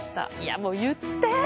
もう、言ってー！